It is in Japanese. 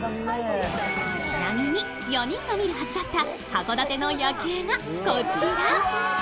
ちなみに、４人が見るはずだった函館の夜景がこちら。